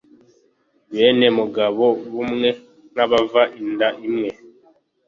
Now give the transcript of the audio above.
bene mugabobumwe, nk'abava inda imwe